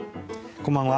こんばんは。